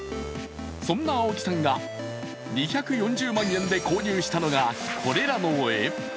そんなアオキさんが、２４０万円で購入したのがこれらの絵。